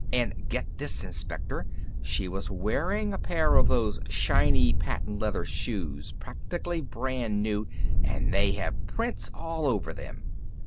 "And get this, Inspector! she was wearing a pair of those shiny patent leather shoes, practically brand new, and they have prints all over them!